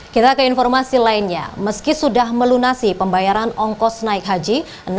kita ke informasi lainnya meski sudah melunasi pembayaran ongkos naik haji